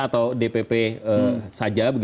atau dpp saja